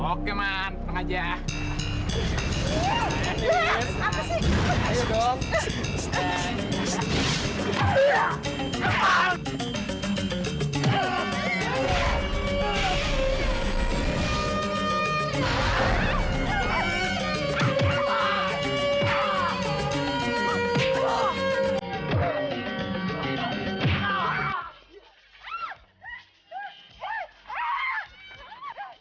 oke man tengah aja